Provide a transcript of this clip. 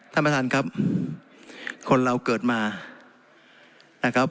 ท่านประธานครับคนเราเกิดมา